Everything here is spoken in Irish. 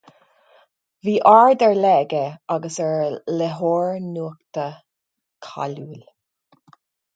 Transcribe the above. Bhí aird ar leith aige ar an léitheoir nuachta cáiliúil.